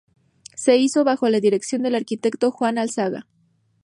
Se hizo bajo la dirección del arquitecto Juan Alzaga.